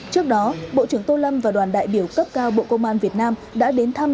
trước đó bộ trưởng tô lâm và đoàn đại biểu cấp cao bộ công an việt nam đã đến thăm